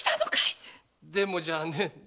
「でも」じゃあねえ。